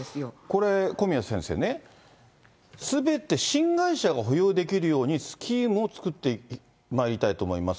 これ、小宮先生ね、すべて新会社が保有できるようにスキームを作ってまいりたいと思います。